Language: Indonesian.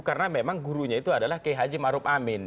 karena memang gurunya itu adalah k h ma'arub amin